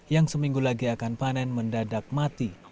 yang seminggu lagi akan panen mendadak mati